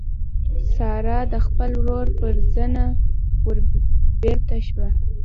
سارا د خپل ورور پر زنه وربېرته شوه.